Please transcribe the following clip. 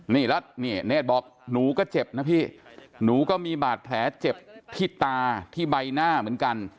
นี่แล้วนี่เนธบอกหนูก็เจ็บนะพี่หนูก็มีบาดแผลเจ็บที่ตาที่ใบหน้าเหมือนกัน